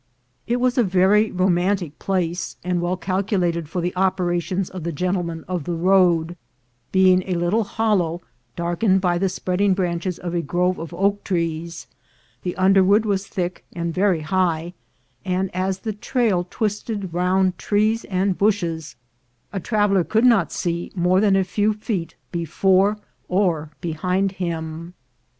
It was a very romantic place, and well calculated for the operations of the gentlemen of the road, being a little hollow darkened by the spreading branches of a grove of oak trees; the underwood was thick and very high, and as the trail twisted round trees and bushes, a traveler could not see more than a few feet before or behind him.